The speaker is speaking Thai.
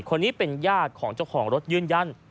คนนี้เป็นญาติของเจ้าของรถยืนยัน